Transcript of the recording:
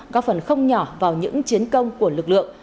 góp phần không nhỏ vào những chiến công của lực lượng